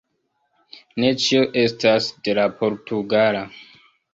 Ne ĉio estas de la portugala,